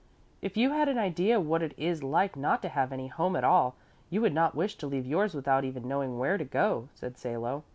"If you had an idea what it is like not to have any home at all, you would not wish to leave yours without even knowing where to go," said Salo.